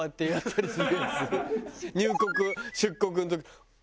入国出国の時。